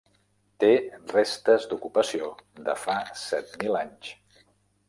Té restes d'ocupació de fa set mil anys.